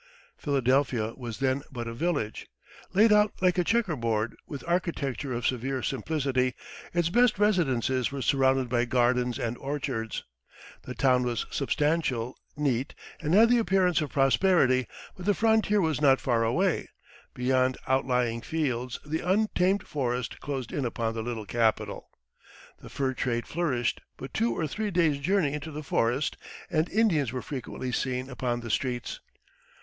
Philadelphia was then but a village. Laid out like a checker board, with architecture of severe simplicity, its best residences were surrounded by gardens and orchards. The town was substantial, neat, and had the appearance of prosperity; but the frontier was not far away beyond outlying fields the untamed forest closed in upon the little capital. The fur trade flourished but two or three days' journey into the forest, and Indians were frequently seen upon the streets.